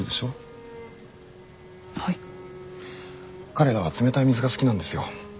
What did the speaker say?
彼らは冷たい水が好きなんですよ。